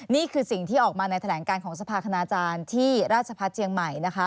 นี่คือสิ่งที่ออกมาในแถลงการของสภาคณาจารย์ที่ราชพัฒน์เชียงใหม่นะคะ